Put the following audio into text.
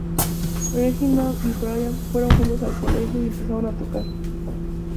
Reginald y Brian fueron juntos al colegio y empezaron a tocar.